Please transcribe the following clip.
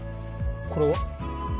これは？